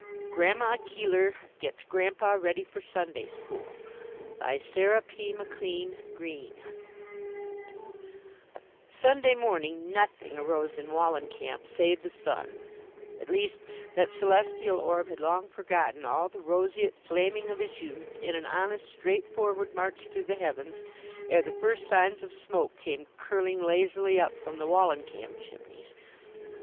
GRANDMA KEELER GETS GRANDPA READY FOR SUNDAY SCHOOL BY SARAH P. McLEAN GREENE Sunday morning nothing arose in Wallencamp save the sun. At least, that celestial orb had long forgotten all the roseate flaming of his youth, in an honest, straightforward march through the heavens, ere the first signs of smoke came curling lazily up from the Wallencamp chimneys.